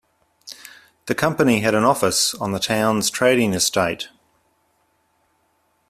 The company had an office on the town's trading estate